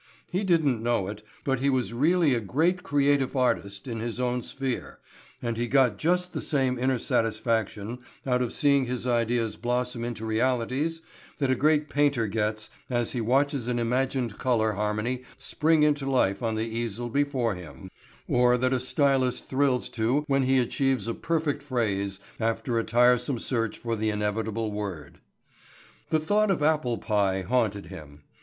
He didn't know it, but he was really a great creative artist in his own sphere and he got just the same inner satisfaction out of seeing his ideas blossom into realities that a great painter gets as he watches an imagined color harmony spring into life on the easel before him, or that a stylist thrills to when he achieves a perfect phrase after a tiresome search for the inevitable word. The thought of apple pie haunted him.